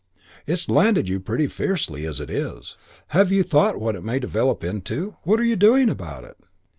It's landed you pretty fiercely as it is. Have you thought what it may develop into? What are you doing about it?'